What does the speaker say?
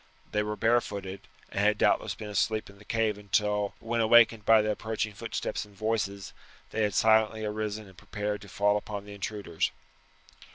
They were barefooted, and had doubtless been asleep in the cave until, when awakened by the approaching footsteps and voices, they had silently arisen and prepared to fall upon the intruders.